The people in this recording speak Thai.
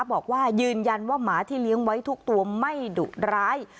บอกว่ายืนยันว่าหมาที่เลี้ยงไว้ทุกตัวไม่ดุร้าย